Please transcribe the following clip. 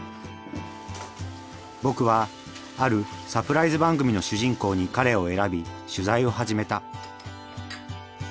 僕はあるサプライズ番組の主人公に彼を選び取材を始めた。